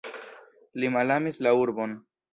Li malamis la urbon.